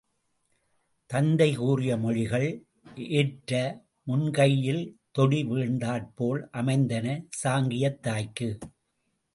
தத்தை கூறிய மொழிகள், ஏற்ற முன்கையில் தொடி வீழ்ந்தாற்போல் அமைந்தன சாங்கியத் தாய்க்கு.